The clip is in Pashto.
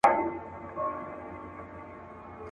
د سر په غم کي ټوله دنیا ده.